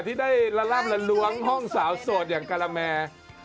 ที่ได้ร่ำระลวงห้องสาวสดอย่างการแมร์